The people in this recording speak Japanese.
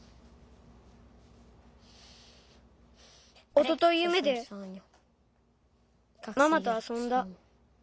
おとといゆめでママとあそんだ。